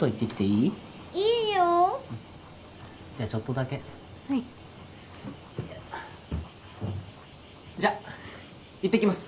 いいよじゃあちょっとだけはいじゃ行ってきます